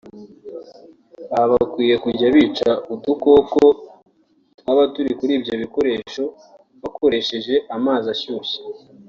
aha bakwiye kujya bica udukoko twaba turi kuri ibyo bikoresho bakoresheje amazi ashyushye